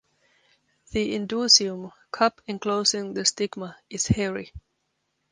The indusium (cup enclosing the stigma) is hairy.